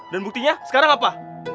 dan buktinya sekarang apa